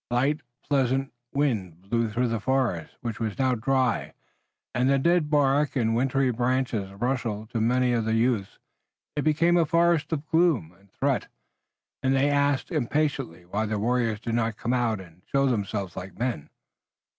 A light pleasant wind blew through the forest, which was now dry, and the dead bark and wintry branches rustled. To many of the youths it became a forest of gloom and threat, and they asked impatiently why the warriors did not come out and show themselves like men.